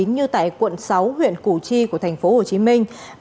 như tại quận sáu huyện củ chiến